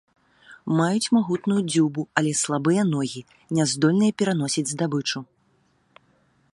Маюць магутную дзюбу, але слабыя ногі, няздольныя пераносіць здабычу.